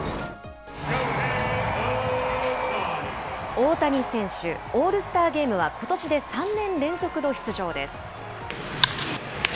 大谷選手、オールスターゲームはことしで３年連続の出場です。